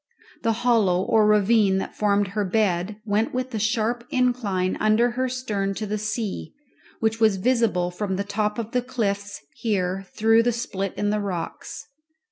The hollow or ravine that formed her bed went with a sharp incline under her stern to the sea, which was visible from the top of the cliffs here through the split in the rocks.